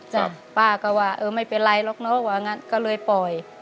ป้าก็ว่าเออไม่เป็นไรหรอกเนอะว่างั้นก็เลยปล่อย